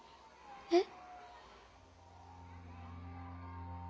えっ。